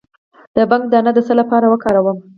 د بنګ دانه د څه لپاره وکاروم؟